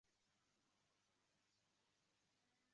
Oilada kattasi Maʼsuma edi.